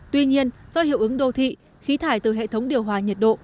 tuy nhiên do hiệu ứng đô thị khí thải từ hệ thống điều hòa nhiệt độ